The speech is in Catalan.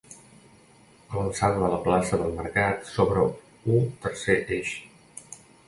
A l'alçada de la plaça del mercat s'obre u tercer eix.